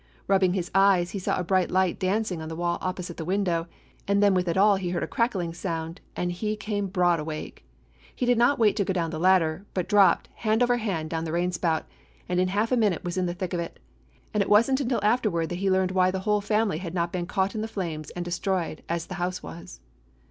Rubbing his eyes, he saw a bright light dancing on the wall opposite the window, and then with it all he heard a crackling sound ; and he came broad awake. He did not wait to go down the ladder, but dropped, hand over hand, down the rain spout, and in half a minute was in the thick of it ; and it was n't until afterward that he learned why the whole family had not been caught in the flames and destroyed, as the house was.